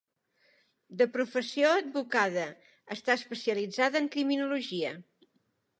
De professió advocada, està especialitzada en criminologia.